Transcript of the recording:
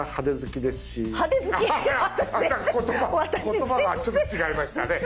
言葉がちょっと違いましたね。